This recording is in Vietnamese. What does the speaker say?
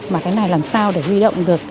mà cái này làm sao để huy động được